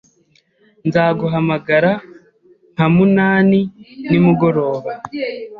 Nzaguhamagara nka munani nimugoroba.